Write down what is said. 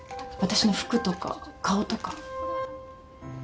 私の服とか顔とか。